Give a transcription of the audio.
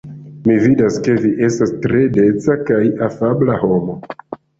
Mi vidas ke vi estas tre deca kaj afabla homo.